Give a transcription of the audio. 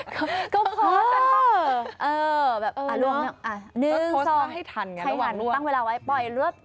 ก็คอสนะครับเออแบบล่วงอ่ะหนึ่งสองใช้หันตั้งเวลาไว้ปล่อยรวบ